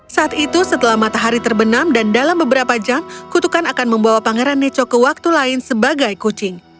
saat itu setelah matahari terbenam dan dalam beberapa jam kutukan akan membawa pangeran neco ke waktu lain sebagai kucing